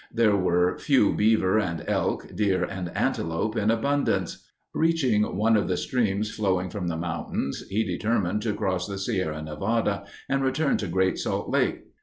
There were "few beaver and elk, deer and antelope in abundance." Reaching one of the streams flowing from the mountains, he determined to cross the Sierra Nevada and return to Great Salt Lake.